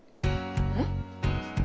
えっ？